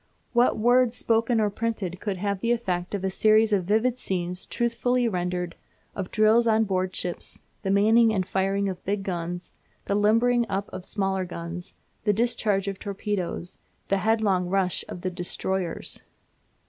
What words, spoken or printed, could have the effect of a series of vivid scenes truthfully rendered, of drills on board ship, the manning and firing of big guns, the limbering up of smaller guns, the discharge of torpedoes, the headlong rush of the "destroyers"?